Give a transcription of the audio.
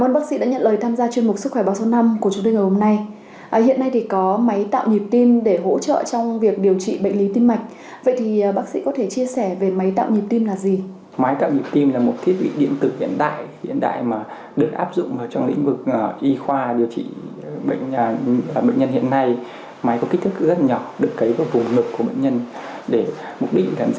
bệnh nhân hiện nay máy có kích thước rất nhỏ được cấy vào vùng ngực của bệnh nhân